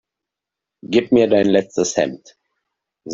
Gib mir dein letztes Hemd!